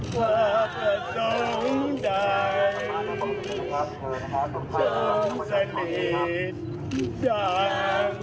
หรือจะเต้าไหว้ใช้ใช้โย